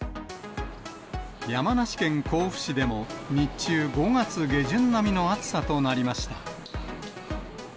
山梨県甲府市でも日中、５月下旬並みの暑さとなりました。